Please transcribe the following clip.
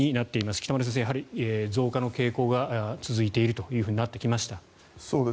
北村先生、やはり増加の傾向が続いているというふうになってきました。